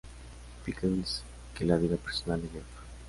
Pickles, que la vida personal de Jeff.